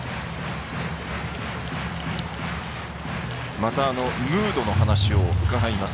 またムードの話を伺います。